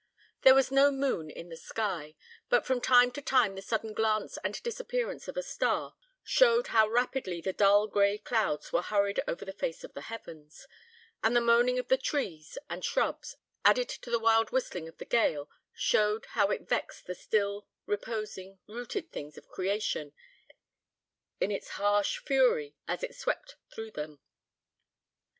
There was no moon in the sky, but from time to time the sudden glance and disappearance of a star showed how rapidly the dull gray clouds were hurried over the face of the heavens; and the moaning of the trees and shrubs, added to the wild whistling of the gale, showed how it vexed the still, reposing, rooted things of creation in its harsh fury as it swept through them.